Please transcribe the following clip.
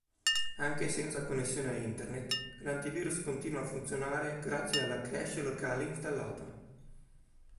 Anche senza connessione a Internet, l'antivirus continua a funzionare grazie alla cache locale installata.